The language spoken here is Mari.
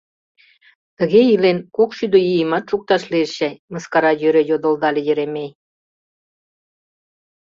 — Тыге илен, кок шӱдӧ ийымат шукташ лиеш чай? — мыскара йӧре йодылдале Еремей.